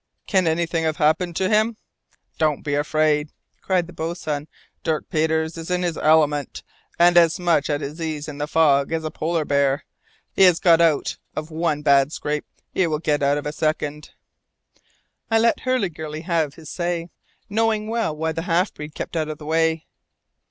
"Can anything have happened to him?" "Don't be afraid," cried the boatswain. "Dirk Peters is in his element, and as much at his ease in the fog as a polar bear. He has got out of one bad scrape; he will get out of a second!" I let Hurliguerly have his say, knowing well why the half breed kept out of the way.